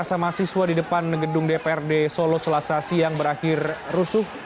masa mahasiswa di depan gedung dprd solo selasa siang berakhir rusuh